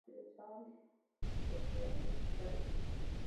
Utilización de herramientas estadísticas.